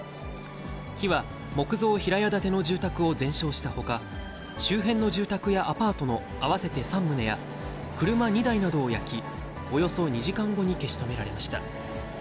火は木造平屋建ての住宅を全焼したほか、周辺の住宅やアパートの合わせて３棟や、車２台などを焼き、およそ２時間後に消し止められました。